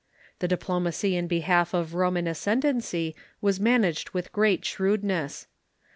The diplomacy in behalf of Roman ascendency was managed Avith great shrewdness.